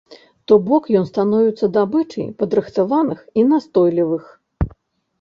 То бок ён становіцца здабычай падрыхтаваных і настойлівых.